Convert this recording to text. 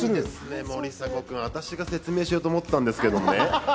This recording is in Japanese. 森迫君、私が説明しようと思ったんですけどね。